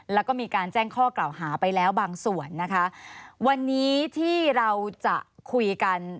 แล้วก็มีการแจ้งข้อกล่าวหาไปแล้วบางส่วนนะคะวันนี้ที่เราจะคุยกัน